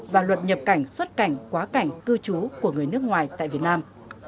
và luật nhập cảnh xuất cảnh quá cảnh cư trú của người nước ngoài tại việt nam